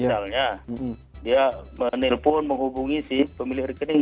misalnya dia menelpon menghubungi pemilih rekening